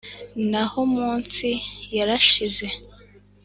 na ho mu nsi yarashiz e'